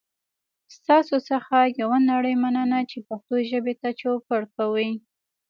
ستاسو څخه یوه نړۍ مننه چې پښتو ژبې ته چوپړ کوئ.